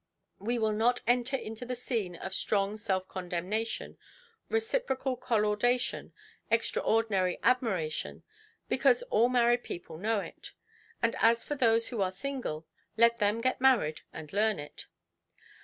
We will not enter into the scene of strong self–condemnation, reciprocal collaudation, extraordinary admiration, because all married people know it; and as for those who are single, let them get married and learn it.